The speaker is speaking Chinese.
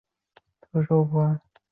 官婺源县知县。